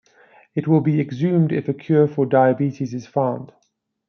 It will be exhumed if a cure for diabetes is found.